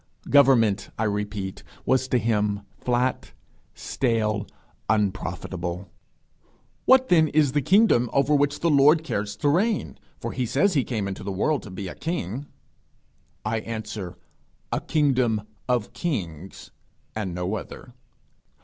Government, I repeat, was to him flat, stale, unprofitable. What then is the kingdom over which the Lord cares to reign, for he says he came into the world to be a king? I answer, A kingdom of kings, and no other.